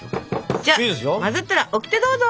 じゃあ混ざったらオキテどうぞ！